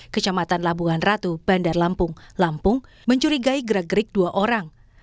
kecamatan labuhan ratu bandar lampung lampung mencurigai gerak gerik dua orang